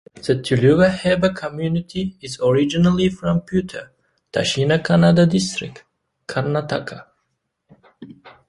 The Tuluva Hebbar community is originally from Puttur, Dakshina Kannada district, Karnataka.